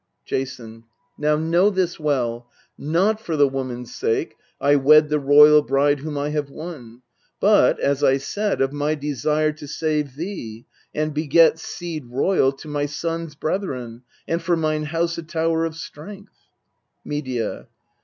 Jason. Now know this well not for the woman's sake I wed the royal bride whom I have won, But, as I said, of my desire to save Thee, and beget seed royal, to my sons Brethren, and for mine house a tower of strength. Medea.